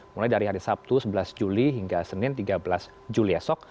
mulai dari hari sabtu sebelas juli hingga senin tiga belas juli esok